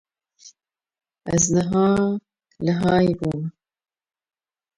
Ez niha lê hay bûm